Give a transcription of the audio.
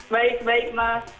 baik baik mas